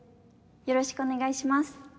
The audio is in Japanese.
よろしくお願いします。